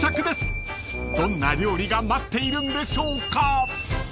［どんな料理が待っているんでしょうか］